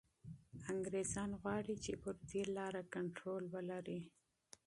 انګریزان غواړي چي پر دې لاره کنټرول ولري.